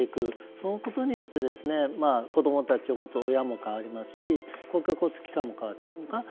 そのことによって子供たちを持つ親も変わりますし公共交通機関も変わってくる。